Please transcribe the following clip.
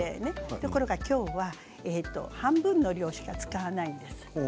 ところが今日は半分の量しか使わないんです。